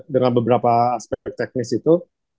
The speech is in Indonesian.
dengan beberapa aspek teknis itu